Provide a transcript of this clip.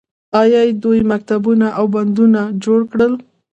آیا دوی مکتبونه او بندونه نه جوړ کړل؟